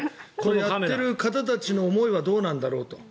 やっている方たちの思いはどうなんだろうと。